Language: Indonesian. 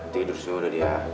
tidur sudah dia